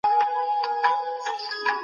همدردي د ژړا مهم لامل دی.